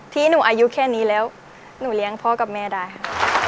ที่หนูอายุแค่นี้แล้วหนูเลี้ยงพ่อกับแม่ได้ค่ะ